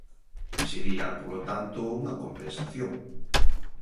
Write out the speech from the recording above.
Sería, polo tanto, unha compensación.